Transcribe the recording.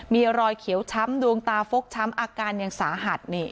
มีรอยเขียวช้ำดวงตาฟกช้ำอาการยังสาหัส